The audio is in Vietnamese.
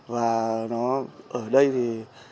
và nó ở đây thì